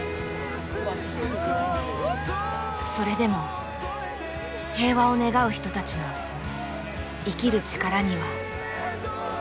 それでも平和を願う人たちの生きる力にはなれる。